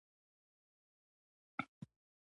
هغوی بیت المقدس او بیت الله شریف ته روان وو.